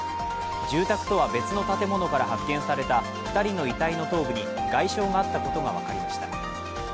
住宅とは別の建物から発見された２人の遺体の頭部に外傷があったことが分かりました。